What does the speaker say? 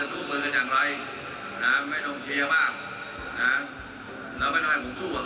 สู้กับปัญหาผมไม่สัดปัญหาอะไรเลย